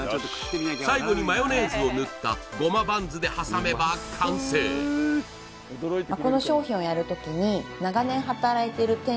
最後にマヨネーズを塗ったゴマバンズで挟めば完成っていうですね